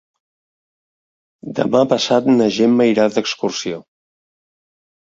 Demà passat na Gemma irà d'excursió.